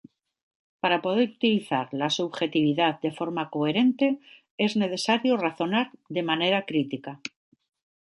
Para poder utilizar la subjetividad de forma coherente es necesario razonar de manera crítica.